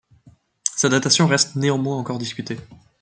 Sa datation reste néanmoins encore discutée.